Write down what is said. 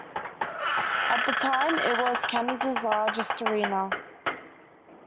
At the time, it was Canada's largest arena.